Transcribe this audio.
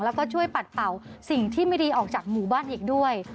แล้วก็ช่วยปัดเป่าสิ่งที่ไม่ดีออกจากหมู่บ้านอีกด้วย